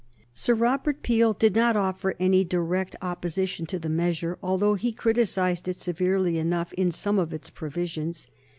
Sir Robert Peel did not offer any direct opposition to the measure, although he criticised it severely enough in some of its provisions.